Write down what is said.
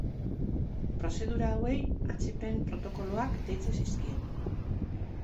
Prozedura hauei atzipen protokoloak deitzen zaizkie.